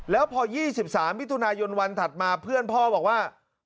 แล้วพอ๒๓มิถุนายนวันถัดมาเพื่อนพ่อบอกว่า